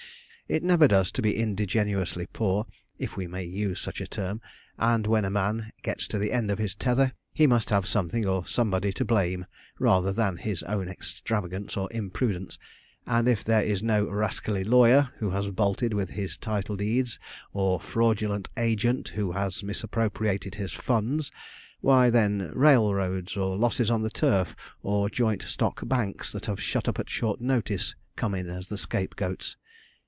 It never does to be indigenously poor, if we may use such a term, and when a man gets to the end of his tether, he must have something or somebody to blame rather than his own extravagance or imprudence, and if there is no 'rascally lawyer' who has bolted with his title deeds, or fraudulent agent who has misappropriated his funds, why then, railroads, or losses on the turf, or joint stock banks that have shut up at short notice, come in as the scapegoats.